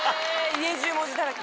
家中文字だらけ。